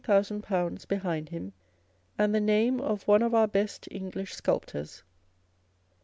behind him, and the name of one of our best English sculptors.